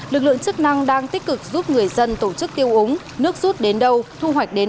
lực lượng chức năng đang tích cực giúp người dân tổ chức tiêu úng nước rút đến đâu thu hoạch đến